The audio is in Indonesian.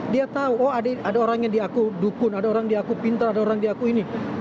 dia tahu oh ada orang yang diaku dukun ada orang diaku pintar ada orang diakui ini